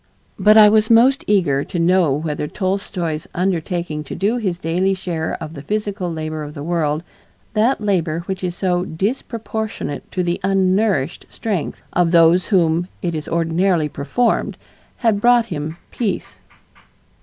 But I was most eager to know whether Tolstoy's undertaking to do his daily share of the physical labor of the world, that labor which is "so disproportionate to the unnourished strength" of those by whom it is ordinarily performed, had brought him peace!